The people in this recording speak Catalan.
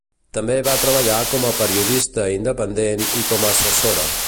També va treballar com a periodista independent i com a assessora.